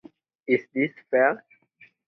Is this fair?